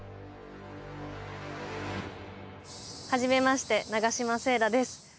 はじめまして永島聖羅です。